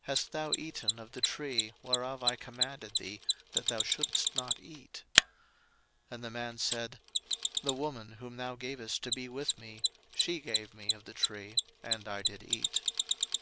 Hast thou eaten of the tree, whereof I commanded thee that thou shouldest not eat? 01:003:012 And the man said, The woman whom thou gavest to be with me, she gave me of the tree, and I did eat.